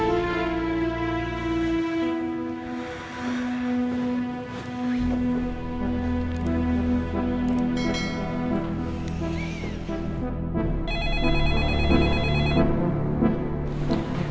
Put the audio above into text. saya harus bantu randy nemuin cover majalah itu